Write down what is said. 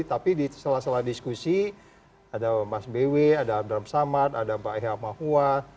tapi di salah salah diskusi ada mas bw ada abraham samad ada mbak eha mahua